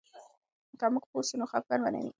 که موږ پوه سو، نو خفګان به نه وي.